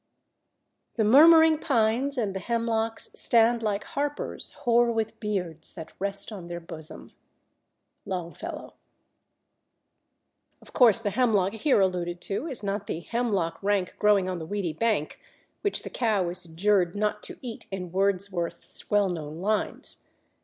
"The murmuring pines and the hemlocks Stand like harpers hoar with beards that rest on their bosom." Longfellow. Of course the Hemlock here alluded to is not the "hemlock rank growing on the weedy bank," which the cow is adjured not to eat in Wordsworth's well known lines.